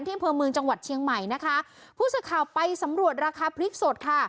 อำเภอเมืองจังหวัดเชียงใหม่นะคะผู้สื่อข่าวไปสำรวจราคาพริกสดค่ะ